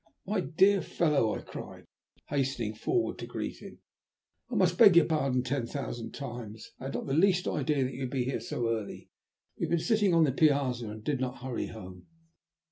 "My dear fellow," I cried, hastening forward to greet him, "I must beg your pardon ten thousand times. I had not the least idea that you would be here so early. We have been sitting on the piazza, and did not hurry home."